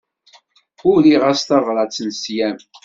Uriɣ-as tabrat n sslam.